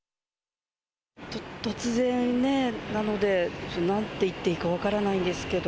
突然なので、なんて言っていいか分からないんですけど。